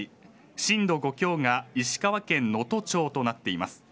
震度５強が石川県能登町となっています。